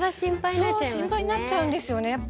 そう心配になっちゃうんですよね。